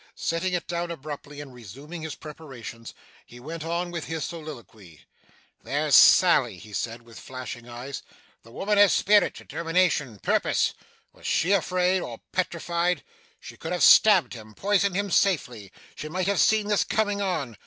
Setting it down abruptly, and resuming his preparations, he went on with his soliloquy. 'There's Sally,' he said, with flashing eyes; 'the woman has spirit, determination, purpose was she asleep, or petrified? She could have stabbed him poisoned him safely. She might have seen this coming on.